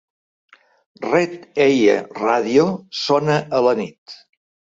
Red Eye Radio sona a la nit.